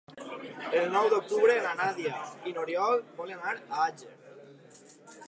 El nou d'octubre na Nàdia i n'Oriol volen anar a Àger.